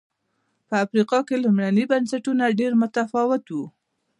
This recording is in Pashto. په افریقا کې لومړني بنسټونه ډېر متفاوت و.